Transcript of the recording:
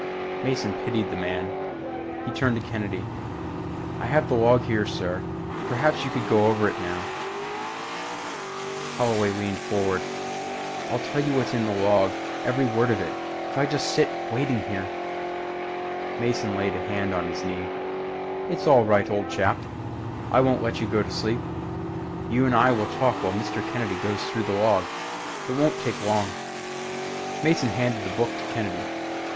_" Mason pitied the man. He turned to Kennedy. "I have the log here, sir. Perhaps you could go over it now " Holloway leaned forward. "I'll tell you what's in the log. Every word of it. If I just sit here waiting " Mason laid a hand on his knee. "It's all right, old chap. I won't let you go to sleep. You and I will talk while Mr. Kennedy goes through the log. It won't take long." Mason handed the book to Kennedy.